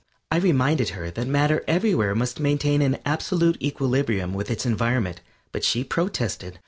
I reminded her that matter everywhere must maintain an absolute equilibrium with its environment, but she protested.